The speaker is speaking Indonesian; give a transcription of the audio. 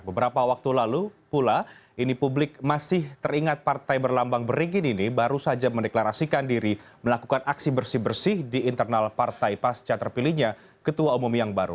beberapa waktu lalu pula ini publik masih teringat partai berlambang beringin ini baru saja mendeklarasikan diri melakukan aksi bersih bersih di internal partai pasca terpilihnya ketua umum yang baru